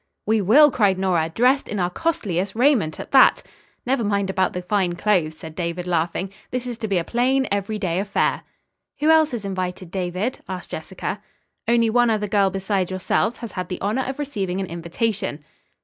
"We will!" cried Nora. "Dressed in our costliest raiment, at that." "Never mind about the fine clothes," said David, laughing. "This is to be a plain, every day affair." "Who else is invited, David?" asked Jessica. "Only one other girl beside yourselves has had the honor of receiving an invitation."